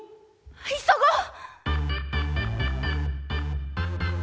急ごう！